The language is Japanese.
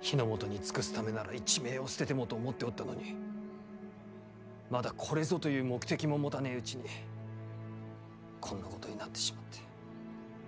日の本に尽くすためなら一命を捨ててもと思っておったのにまだこれぞという目的も持たねぇうちにこんなことになってしまって。